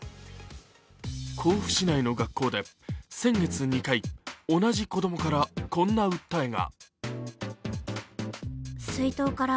甲府市内の学校で先月２回、同じ子供からこんな訴えが。